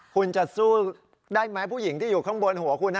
คุณจะสู้ได้ไหมผู้หญิงที่อยู่ข้างบนหัวคุณ